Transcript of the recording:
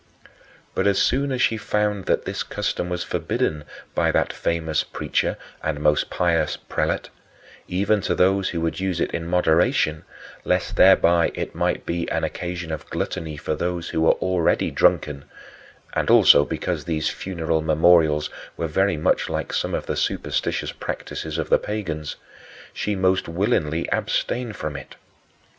But as soon as she found that this custom was forbidden by that famous preacher and most pious prelate, even to those who would use it in moderation, lest thereby it might be an occasion of gluttony for those who were already drunken (and also because these funereal memorials were very much like some of the superstitious practices of the pagans), she most willingly abstained from it.